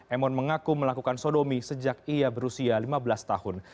emon mengaku melakukan sodomi sejak ia berusia lima belas tahun